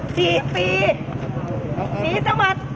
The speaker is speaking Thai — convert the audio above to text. ๔ปีสีสวัสดิ์แนนมาที่นี่